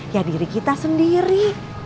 ya diri kita sendiri